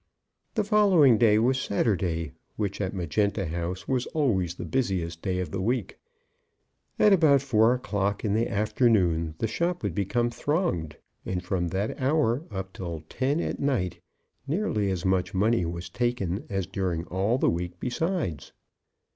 The following day was Saturday, which at Magenta House was always the busiest day of the week. At about four o'clock in the afternoon the shop would become thronged, and from that hour up to ten at night nearly as much money was taken as during all the week besides.